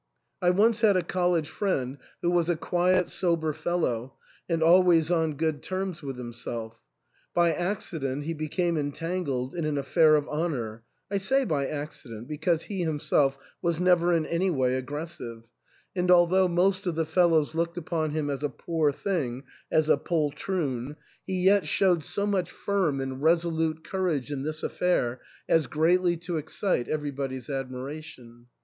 I once had a college friend who was a quiet, sober fel low, and always on good terms with himself. By acci dent he became entangled in an affair of honour, — I say by accident, because he himself was never in any way aggressive ; and although most of the fellows looked upon him as a poor thing, as a poltroon, he yet showed 363 THE ENTAIL, so much firm and resolute courage in this affair as greatlj to excite everybody's admiration.